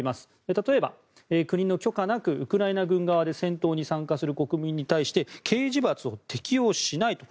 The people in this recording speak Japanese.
例えば、国の許可なくウクライナ軍側で戦闘に参加する国民に対して刑事罰を適用しないと。